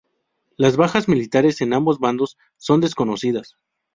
Las bajas militares en ambos bandos son desconocidas.